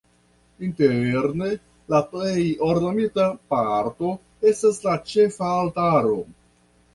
Interne la plej ornamita parto estas la ĉefaltaro.